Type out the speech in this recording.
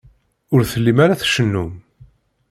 Ur tellim ara tcennum.